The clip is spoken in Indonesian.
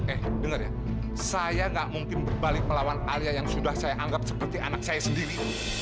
eh dengar ya saya gak mungkin berbalik melawan alia yang sudah saya anggap seperti anak saya sendiri